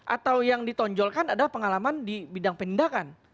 atau yang ditonjolkan adalah pengalaman di bidang penindakan